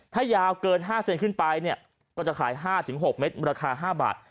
ถ้ายาวเกิน๕เซนขึ้นไปเนี่ยก็จะขาย๕๖เมตรราคา๕บาท